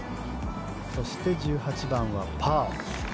そして１８番はパー。